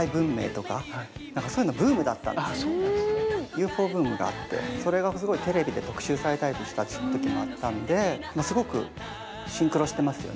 ＵＦＯブームがあってそれがすごいテレビで特集されたりとした時もあったんでまあすごくシンクロしてますよね。